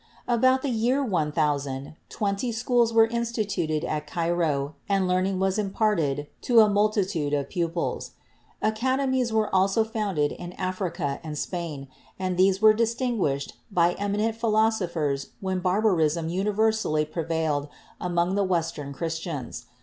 About the year 1000, twenty schools were instituted at Cairo and learning was imparted to a multitude of pupils. THE EARLY ALCHEMISTS 29 Academies were also founded in Africa and Spain, and these were distinguished by eminent philosophers when barbarism universally prevailed among the western Chris tians.